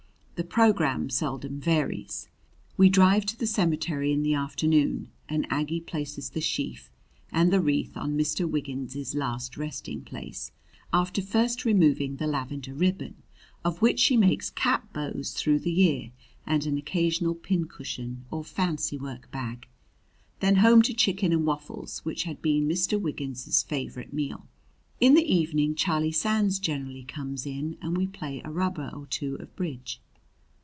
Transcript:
The program seldom varies. We drive to the cemetery in the afternoon and Aggie places the sheaf and the wreath on Mr. Wiggins's last resting place, after first removing the lavender ribbon, of which she makes cap bows through the year and an occasional pin cushion or fancy work bag; then home to chicken and waffles, which had been Mr. Wiggins's favorite meal. In the evening Charlie Sands generally comes in and we play a rubber or two of bridge.